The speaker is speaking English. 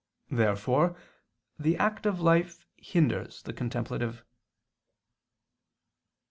Therefore the active life hinders the contemplative.